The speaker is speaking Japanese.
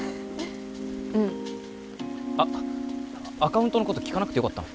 うんあっアカウントのこと聞かなくてよかったの？